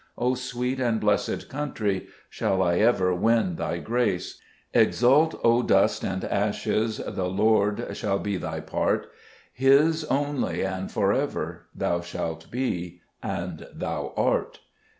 O sweet and blessed country, Shall I ever win thy grace ? 5 Exult, O dust and ashes, The Lord shall be thy part : His only and for ever, Thou shalt be, and thou art.